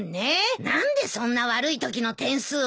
何でそんな悪いときの点数を持ち出すのさ。